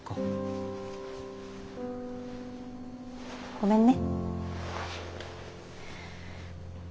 ごめんね。